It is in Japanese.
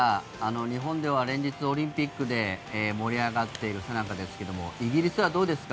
日本では連日、オリンピックで盛り上がっているさなかですがイギリスはどうですか？